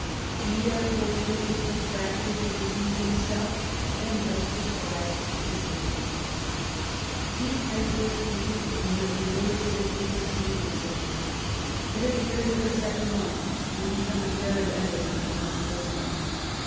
He unfor tunately contracted the disease himself, and thus describes the symptom :— "Deep hypergesthesia is one of the early symptoms of sleeping sickness; it appears in the second month, and be comes very evident in the third month.